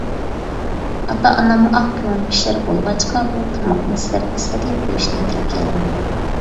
ئاتا - ئاناممۇ ئاق كۆڭۈل كىشىلەر بولغاچقا، بۇ تاماقنى سىلەرگە سەدىقە قىلىش نىيىتىگە كەلدىم.